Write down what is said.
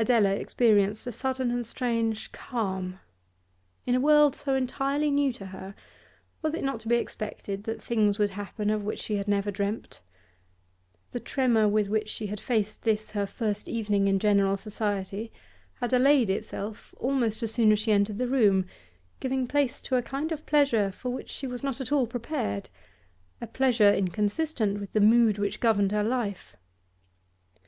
Adela experienced a sudden and strange calm; in a world so entirely new to her, was it not to be expected that things would happen of which she had never dreamt? The tremor with which she had faced this her first evening in general society had allayed itself almost as soon as she entered the room, giving place to a kind of pleasure for which she was not at all prepared, a pleasure inconsistent with the mood which governed her life.